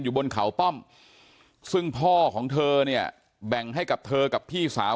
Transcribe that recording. บนเขาป้อมซึ่งพ่อของเธอเนี่ยแบ่งให้กับเธอกับพี่สาว